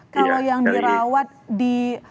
kalau yang dirawat di